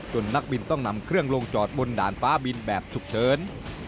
นักบินต้องนำเครื่องลงจอดบนด่านฟ้าบินแบบฉุกเฉิน